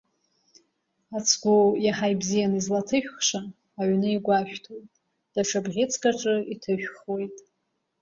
Ацгәы иаҳа ибзианы излаҭышәхша аҩны игәашәҭоит, даҽа бӷьыцк аҿы иҭышәхуеит.